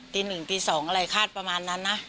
ตีหนึ่งตีสองอะไรคาดประมาณนั้นนะ